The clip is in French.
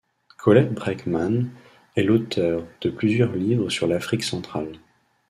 Colette Braeckman est l'auteure de plusieurs livres sur l’Afrique centrale.